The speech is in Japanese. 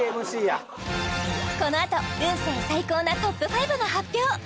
このあと運勢最高なトップ５の発表